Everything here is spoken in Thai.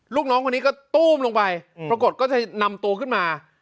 ลูกน้องคนนี้ก็ตู้มลงไปปรากฏก็จะนำตัวขึ้นมา